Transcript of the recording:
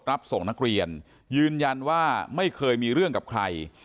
รับส่งนักเรียนยืนยันว่าไม่เคยมีเรื่องกับใคร